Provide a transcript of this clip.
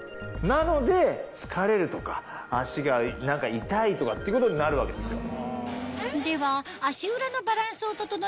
なので疲れるとか足が痛いとかっていうことになるわけですよ。